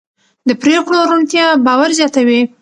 د پرېکړو روڼتیا باور زیاتوي